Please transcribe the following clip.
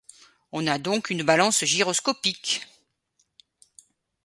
On a donc une balance gyroscopique!